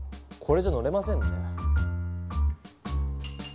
これじゃ乗れませんね。